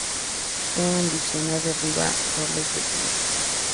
que ambiciona derribar roles de género